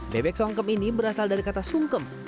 bebek songkem ini berasal dari kata sungkem